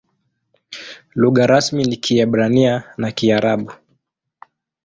Lugha rasmi ni Kiebrania na Kiarabu.